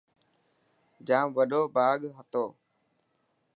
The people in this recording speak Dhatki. ڄام وڏو باغ هتو.